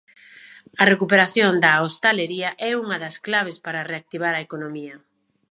A recuperación da hostalería é unha das claves para reactivar a economía.